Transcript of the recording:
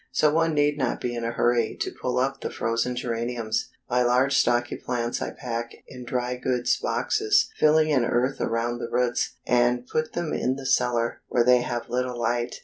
So one need not be in a hurry to pull up the frozen geraniums. My large stocky plants I pack in dry goods boxes, filling in earth around the roots, and put them in the cellar where they have little light.